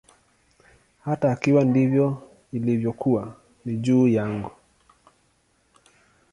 Hata ikiwa ndivyo ilivyokuwa, ni juu yangu.